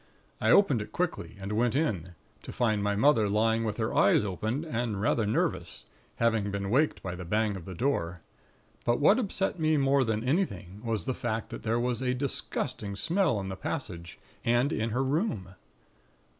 I opened it quickly, and went in, to find my mother lying with her eyes open, and rather nervous; having been waked by the bang of the door. But what upset me more than anything, was the fact that there was a disgusting smell in the passage and in her room.